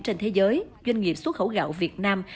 trên thế giới doanh nghiệp xuất khẩu gạo việt nam